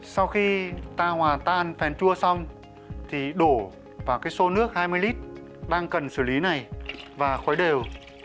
sau khi ta hòa tan phèn chua xong thì đổ vào cái xô nước hai mươi lít đang cần xử lý này và khói đều